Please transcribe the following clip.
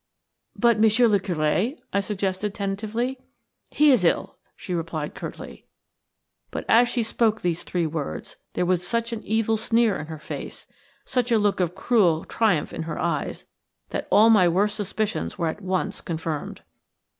"But Monsieur le Curé?" I suggested tentatively. "He is ill," she replied curtly. But as she spoke these three words there was such an evil sneer in her face, such a look of cruel triumph in her eyes, that all my worst suspicions were at once confirmed.